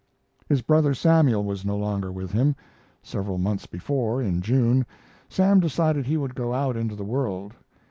His brother Samuel was no longer with him. Several months before, in June, Sam decided he would go out into the world.